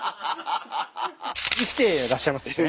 生きてらっしゃいますしね。